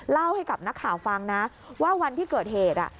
เล่าให้กับนักข่าวฟังนะว่าวันที่เกิดเหตุ